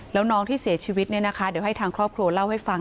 แล้วน้องที่เสียชีวิตเนี่ยนะคะเดี๋ยวให้ทางครอบครัวเล่าให้ฟัง